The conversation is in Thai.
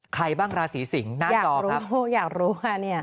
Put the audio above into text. ใครบ้างราศีสิงศ์น่ากรอบครับอยากรู้อยากรู้ค่ะเนี่ย